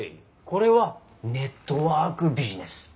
これはネットワークビジネス。